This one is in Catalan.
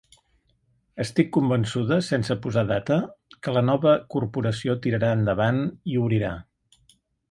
Estic convençuda, sense posar data, que la nova corporació tirarà endavant i obrirà.